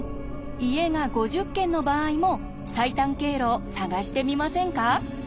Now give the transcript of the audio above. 家が５０軒の場合も最短経路を探してみませんか？